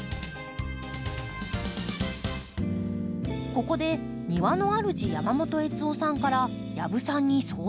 ここで庭のあるじ山本悦雄さんから養父さんに相談が。